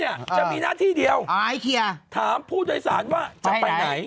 จะมีหน้าที่เดียวถามผู้โดยสารว่าจะไปไหน